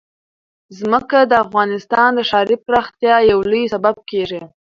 ځمکه د افغانستان د ښاري پراختیا یو لوی سبب کېږي.